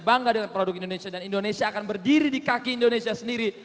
bangga dengan produk indonesia dan indonesia akan berdiri di kaki indonesia sendiri